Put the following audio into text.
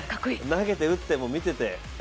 投げて打って、見てて。